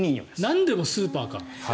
なんでもスーパーか。